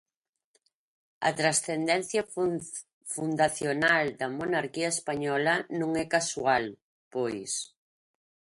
A transcendencia fundacional da monarquía española non é casual, pois.